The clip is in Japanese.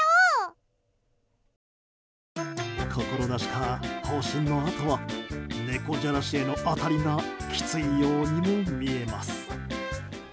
心なしか、放心のあとは猫じゃらしへの当たりがきついようにも見えます。